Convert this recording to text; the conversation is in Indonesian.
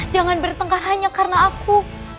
jangan bertengkar hanya karena aku